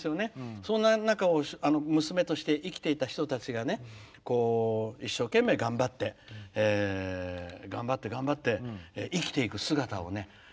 そんな中を娘として生きていた人たちが一生懸命、頑張って頑張って生きていく姿をね。